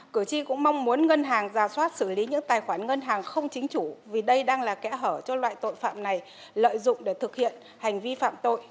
cử tri cũng mong muốn ngân hàng giả soát xử lý những tài khoản ngân hàng không chính chủ vì đây đang là kẽ hở cho loại tội phạm này lợi dụng để thực hiện hành vi phạm tội